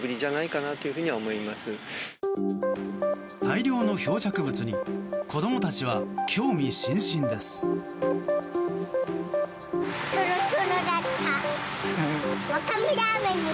大量の漂着物に子供たちは興味津々です。